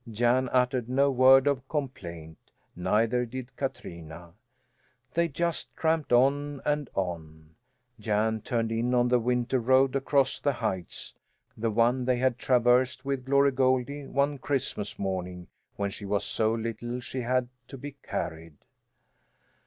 Jan uttered no word of complaint, neither did Katrina; they just tramped on and on. Jan turned in on the winter road across the heights, the one they had traversed with Glory Goldie one Christmas morning when she was so little she had to be carried.